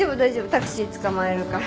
タクシーつかまえるから。